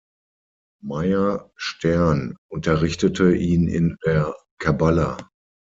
Meir Stern unterrichtete ihn in der Kabbala.